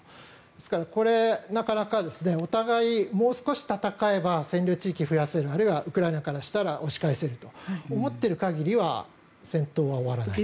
ですから、なかなかお互いもう少し戦えば占領地域を増やせるあるいはウクライナからしたら押し返せると思っている限りは戦闘は終わらない。